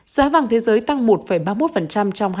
giá vàng thế giới tăng một ba mươi một trong hai tháng